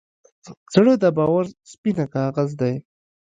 زړه د باور سپینه کاغذ دی.